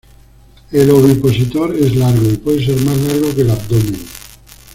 El ovipositor es largo y puede ser más largo que el abdomen.